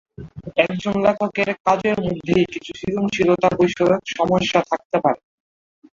একজন লেখকের কাজের মধ্যেই কিছু সৃজনশীলতা-বিষয়ক সমস্যা তৈরি হতে পারে।